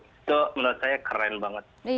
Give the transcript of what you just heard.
itu menurut saya keren banget